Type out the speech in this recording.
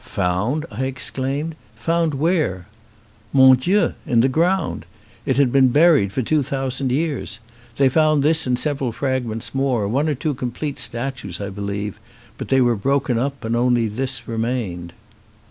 "Found!" I exclaimed. "Found where?" "Mon Dieu, in the ground. It had been buried for two thousand years. They found this and sev eral fragments more, one or two complete statues, I believe, but they were broken up and only this remained."